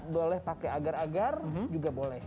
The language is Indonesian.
boleh pakai agar agar juga boleh